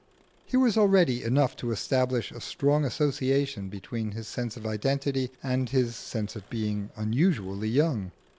Here was already enough to establish a strong association between his sense of identity and his sense of being unusually young.